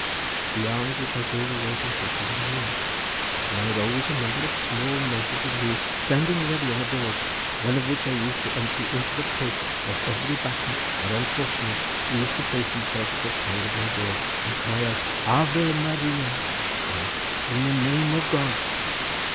The alms which I gave away consisted of meal; and I had always a number of small measures of male standing ready on a board, one of which I used to empty into the poke of every bacah or other unfortunate who used to place himself at the side of my door and cry out 'Ave Maria!' or 'In the name of God!